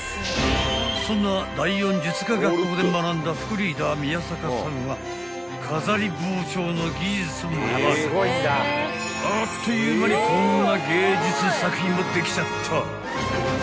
［そんな第４術科学校で学んだ副リーダー宮坂さんは飾り包丁の技術もありあっという間にこんな芸術作品もできちゃった］